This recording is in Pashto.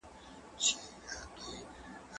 زه هره ورځ سړو ته خواړه ورکوم